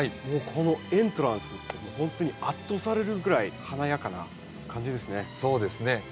もうこのエントランスほんとに圧倒されるぐらい華やかな感じですね。